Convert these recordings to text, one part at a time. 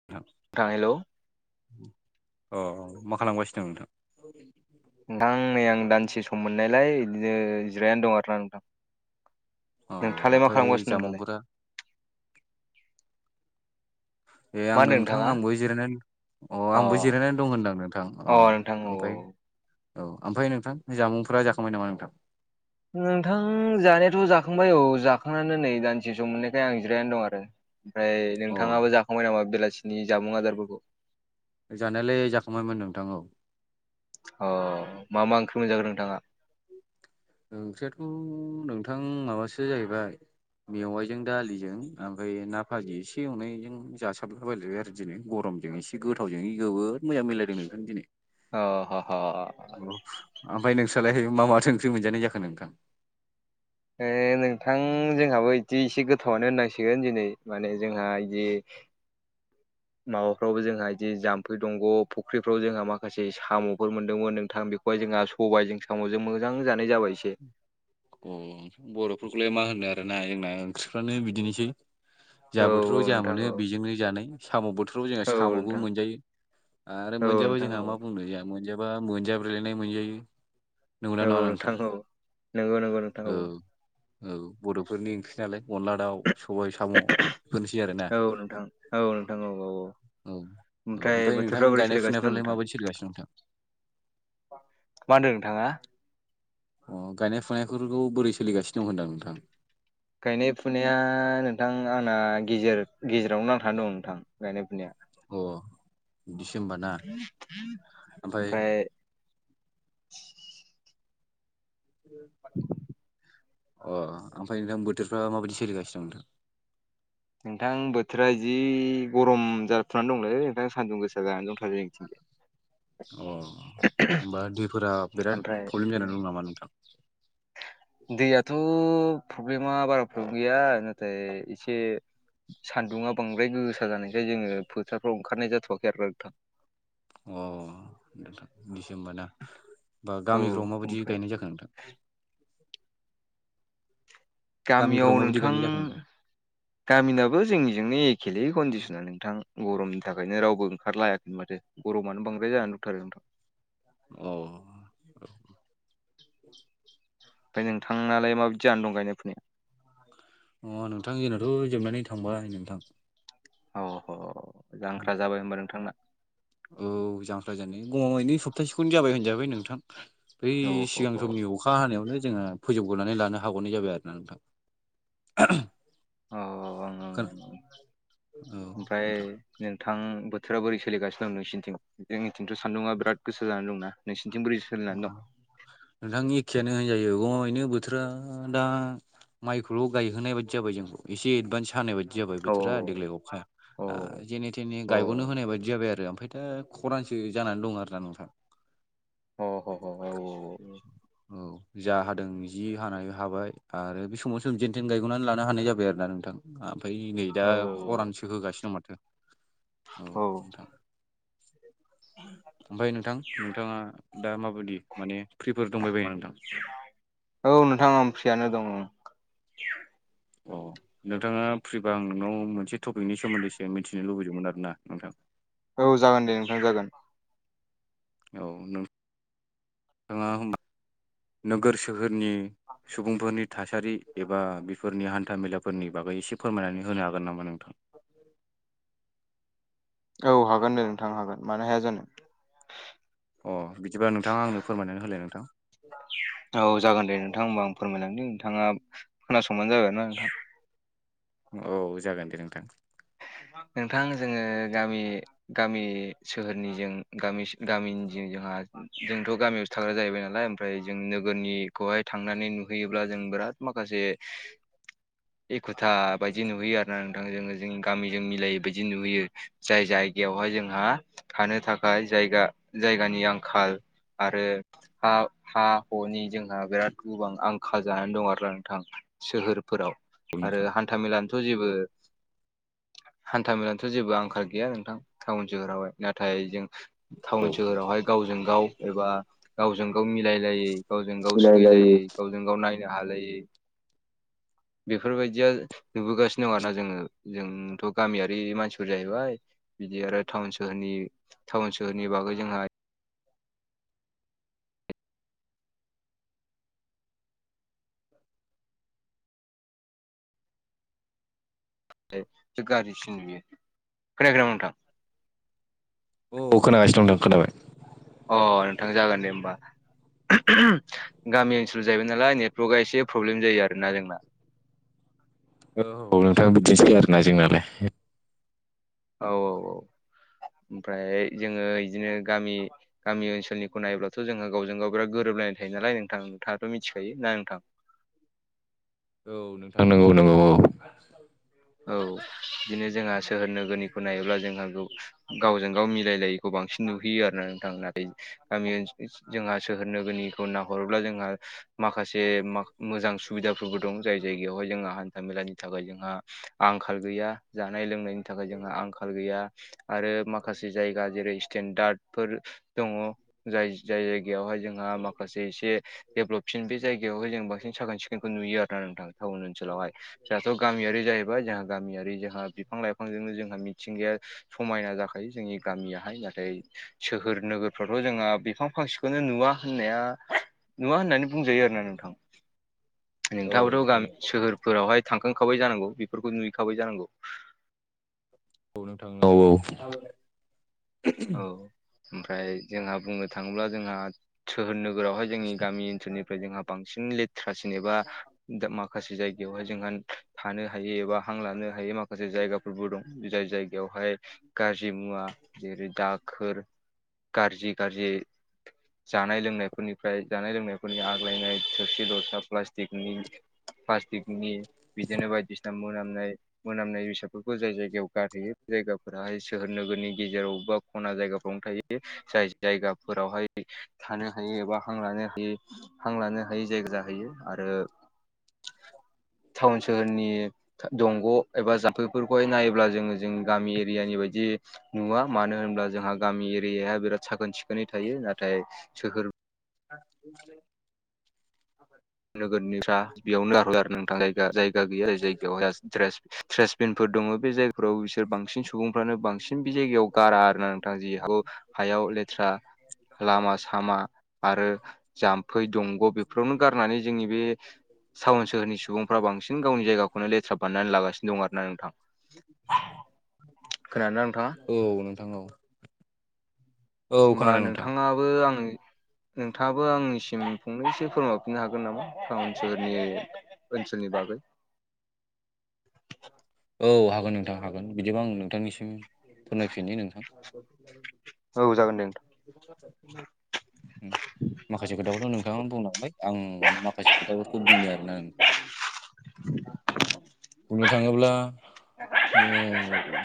[unintelligible] Hello. अ मा खालामगासिनो दं नोंथां। [inaudible] नोंथां नै आं दानिसो सम मोननायलाय बिदिनो जिरायनानै दं आरोना नोंथां। नोंथाङालाय मा खालामगासिनो दं दालाय। ए मा आं होनदों नोंथां नोंथाङा? आंबो जिरायनानै अ आंबो जिरायनानै दं होनदो आं नोंथां अ नोंथां औ औ। ओमफ्राय औ ओमफ्राय नोंथां जामुंफोरा जाखांबाय नामा नोंथां। नोंथां जानायाथ' जाखांबाय औ जाखांनानै नै दानिसो सम मोननायखाय आं जिरायनानै दं आरो। ओमफ्राय नोंथाङाबो जाखांबाय नामा बेलासिनि जामुं आदारफोरखौ जानायलाय जाखांबायमोन नोंथां औ। अ मा मा ओंख्रि मोनजाखो नोंथाङा? ओंख्रियाथ' नोंथां माबासो जाहैबाय। मेवाइजों दालिजों ओमफ्राय ना भाजि एसे एवनायजों जासाबला बायलायबाय आरो दिनै गरम जों एसे गोथावजों जोबोद मोजां मिलायदों नोंथां दिनै अ ह-ह अ ओमफ्राय नोंस्रालायहाय मा माथो ओंख्रि मोनजानाय जाखो नोंथां। नोंथां जोंहाबो इदि एसे गोथावनो होननांसिगोन दिनै माने जोंहा इदि माबाफ्रावबो जोंहा इदि जाम्फै दंग' फुख्रिफ्राव जोंहा माखासे साम'फोर मोन्दोंमोन नोंथां बेखौ सबाय जोंहा सबायजों साम'जों मोजां जानाय जाबाय एसे अ बर'फोरखौलाय मा होननो आरोना जोंना ओंख्रिफ्रानो बिदिनोसै औ जा बोथोराव औ जा नोंथां औ मोनो बेजोंनो जानाय‌। साम' बोथोराव जोंहा औ साम'बो नोंथां मोनजायो आरो औ मोनजाबा नोंथां जोंहा औ मा बुंनो जोंहा मोनजा बा मोनजाब्रायलायनाय मोनजायै औ नोंथां औ नंगौ नंगौ नोंथां औ। औ बर'फोरनि ओंख्रि नालाय अनला दाउ [inaudible] औ नोंथां औ नोंथां औ-औ-औ ओमफ्राय बोथोरफ्रा बोरै सोलिगासिनो दं नोंथां। [inaudible] मा होनदों नोंथाङा अ गायनाय फुनायफोरखौ बोरै सोलिगासिनो दं होनदां नोंथां। गायनाय फुनाया नोंथां आंना गेजेर गेजेरावनो नांथानानै दं नोंथां गायनाय फुनाया। अ इदिसो ओमबा ना ओमफ्राय [inaudible] अ ओमफ्राय नोंथां बोथोरफ्रा माबायदि सोलिगासिनो दं नोंथां। नोंथां बोथोरा इदि गरम जाफुनानै दंलै नोंथां सानदुं गोसा जानानै दंथारो [unintelligible] अ होमबा दैफोरा बिराद प्रब्लेम ओमफ्राय जानानै दं नामा नोंथां? दैयाथ' प्रब्लेमा बारा प्रब्लेम गैया नाथाय एसे सान्दुङा बांद्राय गोसा जानायखाय जोङो फोथारफ्राव ओंखारनाय जाथ'वाखै आरोना नोंथां। अ नोंथां इदिसो ओमबा ना बा औ गामिफ्राव माबायदि ओमफ्राय गायनाय जाखो नोंथां। [inaudible] गामियाव नोंथां गामिनाबो जोंनिजोंनो एखेेलै कन्डिसना नोंथां गरमनि थाखायनो रावबो ओंखारलायाखै माथो। गरमआनो बांद्राय जानानै दंथारो नोंथां ना औ। ओमफ्राय नोंथांनालाय माबायदि जाना दं गायनाय फुनाया? अ नोंथां जोंनावथ' जोबनानै थांबाय नोंथां। अ जांख्रा जाबाय होमबा नोंथांना ओ औ जांख्रा जानाय गमामायैनो सप्तासेखौनो जाबाय होनजाबाय नोंथां बै औ ह ह सिगांआव नि अखा हानायावनो जोङो फोजोबग्रोनानै लानो हागौना जाबाय आरो। औ आङो ओमफ्रायो नोंथां बोथोरा बोरै सोलिगासिनो दं नोंसिनिथिं जोंनिथिंथ' सान्दुङा बिराद गोसो जानानै दा नोंसिथिं बोरै अ सोलिनानै दं? नोंथां एखेयानो होनजायो गमामायैनो बोथोरा दायो माइखौल' गायहोनाय बादि जाबाय जोंखौ एसे एडभान्स हानाय बायदि। जाबाय औ बोथोरा देग्लाय अखाया औ ओ जेनेना थेने औ गायग'नो होनाय बायदि जाबाय आरो ओमफ्राय दा खरानसो जानानै दं आरोना नोंथां ओ अ ह ह औ। जा हादों जि हानाय हाबाय आरो बे समाव सोम जेन थेन गायग'नानै लानो हानाय जाबाय आरोना नोंथाङा। ओमफ्राय नै औ दा खरानसो होगासिनो दं माथो। औ नोंथां ओमफ्राय नोंथां नोंथाङा बादि माने फ्रिफोर दंबायबायो नामा नोंथां? औ नोंथां आं फ्रियानो दङ'। अ नोंथाङा फ्रिबा आं नोंनाव मोनसे टपिकनि सोमोन्दैसो मिथिनो लुबैदोंमोन आरो ना नोंथां? औ जागोन दे नोंथां जागोन। औ नोंथाङा होमबा नोगोर सोहोरनि सुबुंफोरनि थासारि एबा बेफोरनि हान्थामेलाफोरनि बागै एसे फोरमायनानै होनो हागोन नामा नोंथां? औ हागोन दे नोंथां हागोन मानो हाया जानो? अ बिदिबा नोंथाङा आंनो फोरमायनानै होलाय नोंथां ना औ जागोन दे नोंथां हबा आं फोरमायलांनि नोंथाङा खोनासंबानो जाबाय आरो ना नोंथां? औ जागोन दे नोंथां। नोंथां जोङो गामिनि गामि सोहोरनिजों गामि गामिनिजों जोंहा जोंथ' गामियावसोनो थाग्रा जाहैबाय नालाय ओमफ्राय जों नोगोरनिखौहाय थांनानै नुहैयोब्ला जों बिराद माखासेसो एखुथा बायदि नुहैयो आरो ना नोंथां जोङो जोंनिआ गामिजों मिलायै बायदि नुयो जाय जायगायावहाय जोंहाआ थानो थाखाय जायगा जायगानि आंखाल आरो हा हा नि जोंहा बिराद गोबां आंखाल जानानै दं आरोना नोंथां सोहोरफोराव आरो ना हान्था मेलानिथ' जेबोनो हान्था मेलानिथ' जेबो आंखाल गैया नोंथां टाउन सोहोरावहाय नाथाय जोंना? टाउन सोहोरावहाय गावजों गाव एबा गावजों गाव मिलायो लायै गावजों गाव सैलायै गावजों गाव नायनो हालायैनो बेफोरबायदिया नुबोगासिनो दं आरो ना जोङो जोंथ' गामियारि मानसिफोर जाहैबाय। बिदि आरो टाउन सोहोरनि टाउन सोहोरनि बागै जोंहाबो गाज्रिसिन बियो खोन खोनायाखै नोंथांना। औ खोनागासिनो दं नोंथां अ नोंथां जागोन दे होमबा? गामि ओनसोलाव जाहैबाय नालाय नेटवर्कआ एसे प्रब्लेम जायो आरोना जोंना औ नोंथां बिदिनोसै आरो ना जोंनालायो औ औ औ ओमफ्राय जोङो बिदिनो गामिनि गामि ओनसोलखौ नायोबब्लाथ' जोंहा गावजों गाव बिराद गोरोबलायनाय थायो नालाय नोंथां नोंथाङाथ' मिथिखायो ना नोंथां। औ नोंथां नंगौ नंगौ औ। [unintelligible] औ बिदिनो जोंहा सोहोर नोगोरनिखौ नायोब्ला जोंहा गावजों गाव मिलायलायै खौ बांसिन नुहैयो आरो ना नोंथां नाथाय गामि ओनसोल जोंहा सोहोरनोगोरनिखौ नाहरोब्ला जोंहा माखासे मोजां सुबिदाफोरबो दं जाय जायगायावहाय जोंहा हान्था मेलानि थाखाय जोंहा आंखाल गैया जानाय लोंनायनि थाखाय जोंहा आंखाल गैया। आरो माखासे जायगा जेरै स्टेनडार्दफोर दङ। जाय जाय जायगायावहाय जोंहा माखासे एसे देभलपसिन बे जायगायावाय जों बांसिन साखोन सिखोनखौ नुयो आरोना नोंथां। ओनसोलावहाय जोंहाथ' गामियारि जाहैबाय बा जोंहा गामियारि जोंहा बिफां लाइफांजोंनो जोंहा मिथिंगाया समायना जाखायो। जोंनि गामियाहाय नाथाय‌। सोहोर नोगोरफ्रावथ' जोंहा बिफां फांसेखौनो नुवा होननाया। नुङा होननानै बुंजायो आरोना नोंथां। नोंथाङाबोथ' गामि सोहोरफोरावहाय थांखांखाबाय जानांगौ बेफोरखौ नुैखाबाय जानांगौ। औ नोंथां औ‌। औ ओमफ्राय जोंहा बुंनो थाङोब्ला जोंहा सोहोर नोगोरावहाय जोंनि गामि ओनसोलनिफ्राय जोंहा बांसिन लेथ्रासिन एबा दा माखासे जायगायावहाय जोंहा थानो हाय एबा हां लानो हायै माखासे जायगाफोरबो दं जाय जायगायावहाय गाजि मुवा जेरै दाखोर गाजाज्रि गाज्रि जानाय लोंनाय। फोरनिफ्राय जानाय लोंनायफोरनि आग्लायनाय थोरसि दरथा प्लास्टिकनि प्लास्टिकनि बिदिनो बायदिसिना मोनामनाय। मोनामनाय बेसादफोरखौ जाय जायगायाव गारहैयो बे जायगाफोराहाय सोहोर नोगोरनि गेजेराव बा खना जायगा। सुबुं थ जाय जायगाफोरावहाय। थानो हायो एबा हां लानो हायो हां लानो हायो जायगा। जाहैयो आरो टाउन सोहोरनि दंग' एबा जाम्फैफोरखौहाय नायोब्ला जोङो जों गामि एरियानि बायदि नुवा मानो होनब्ला जोंहा गामि एरियाया बिराद साखोन सिखोनै थायो नाथाय सोर [inaudible] नोगोरनि फ बेयावनो ग आरो नोंथां जाया जायगा गैया जाय जायगायावाय ज थ्रेरस थ्रेरसबिनफोर दङ बे जायगफोराव बिसोर बांसिन सुबुंफ्रानो बांसिन। बिम बे जायगायाव गारा आरो ना नोंथां जि हौ हायाव लेथ्रा लामा सामा आरो जाम्फै दंग' बेफोरावनो गार होननानै जोंनि बे टाउन सोहनि सुबुंफ्रा बांसिन गावनि जायगखौनोेथ्रा बाननानै लागासिनो दं आरो ना नोंथां। [inaudible] खोनादोंना नोंथां? औ नोंथां औ। होमबा नोंथाङाबो आं नोंथाङाबो आंनिसिम फंनैसो फोरमायफिननो हागोन नामा? टाउन सोहोरनि बैसनि बाबै [unintelligible] औ हागोन नोंथां हागोन बिदिबा आं नोंथांनिसिम फोरमायफिनि नोंथां। औ जागोन दे नोंथां। [inaudible] माखासे खोथाखौथ' नोंथाङा बुंलांबाय आं माखासे खोथाफोरखौ बुंनि आरोना नोंथां। [inaudible] बुंनो थाङोब्ला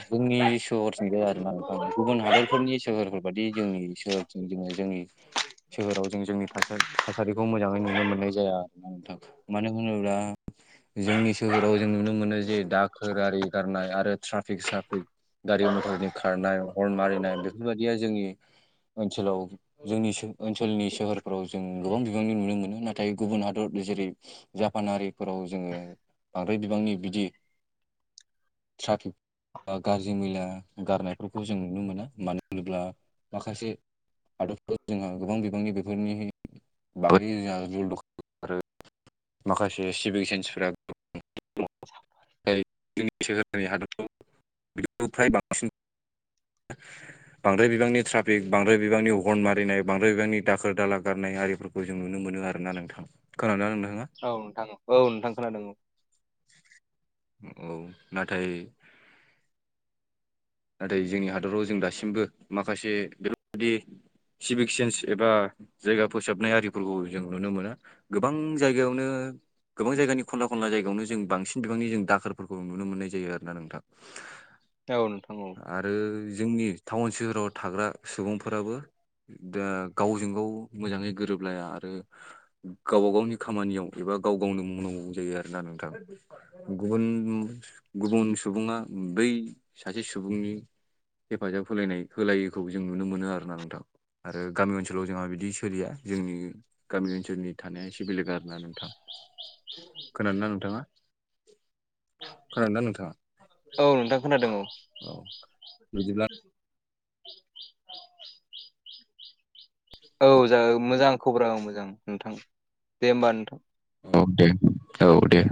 जोंनि सोहोरथिं जाया आरो ना गुबुन हादरफोरनि सोहोरफोरा बाददि जोंनि सोहोरजों जोङो जोंनिनो सोहोराव जों जोंनिास थासारिखौ मोजाङै नुनो मोननाय जाया आरो मानो होनोब्ला जोंनि सोहोराव जों नुनो मोनो जे दा खोर आरि गारनाय आरो ट्राफिक साफिक गारि मथरनि खारनाय हर्न मारिनाय बेफोरबायदिया जोंनि ओनसोलाव। जोंनि ओनसोलनि सोहोरफ्राव जों गोबां बिबांनि नुनो मोनो नाथाय गुबुन हादर जेरै जापानारिफोराव जोङो बांद्राय बिबांनि बिदि ट्राफिक गाज्रि मैला गारनायफोरखौ जों नुनो मोना मानो होनोब्ला माखासे हादरफोर जोंहा गोबां बिबांनि बेफोरनि बागै जोंहा आरो माखासे सिभिक सेन्सफोराबो [unintelligible] फ्राय बांसिन बांद्राय बिबांनि ट्राफिक बांद्राय बिबांनि हर्न मारिनाय बांद्राय बिबांनि दाखोर दाला गारनाय आरिफोरखौ जों नुनो मोनो आरो ना। नोंथां खोनादों ना नोंथाङा? औ नोंथां। औ नोंथां खोनादों औ। औ नाथाय नाथाय जोंनि हादराव जों दासिमबो माखासे बेफोरबायदि सिभिक सेन्स एबा जायगा फोसाबनाय आरिफोरखौ जों नुनो मोना। गोबां जायगायावनो गोबां जायगानि खनला खनला जायगायावनो जों बांसिन बिबांनि जों दाखोरफोरखौ नुनो मोननाय जायो आरोना नोंथां। औ नोंथां औ। आरो जोंनि टाउन सोहोराव थाग्रा सुबुंफोराबो दा गावजों गाव मोजाङै गोरोबलाया आरो। गावबा गावनि खामानियाव एबा गाव गावनो मावनांगौ जायो आरो ना नोंथां। गुबुन गुबुन सुबुङा बै सासे सुबुंनि हेफाजाब होलायनाय होलायोखौ जों नुनो मोनो आरोना नोंथांखौ। आरो गामि ओनसोलाव जोंहा बिदि सोलिया जोंनि गामि ओनसोलनि थानाया एसे बेलेग आरोना नोंथां खोनादों ना नोंथाङा? खोनादों ना नोंथाङा? औ नोंथां खोनादों औ। औ बिदिब्ला औ जाग मोजां खबरा औ मोजां नोंथां दे होमबा नोंथां। औ दे औ दे।